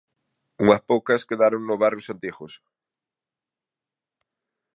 Unhas poucas quedaran nos barrios antigos.